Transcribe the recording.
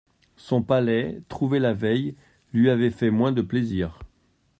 Son palais, trouvé la veille, lui avait fait moins de plaisir.